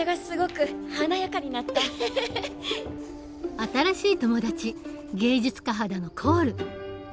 新しい友達芸術家肌のコール。